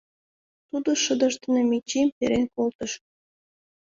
Тудо шыдыж дене Мичим перен колтыш.